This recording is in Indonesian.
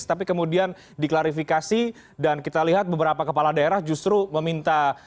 tapi kemudian diklarifikasi dan kita lihat beberapa kepala daerah justru meminta